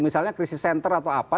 misalnya krisis center atau apa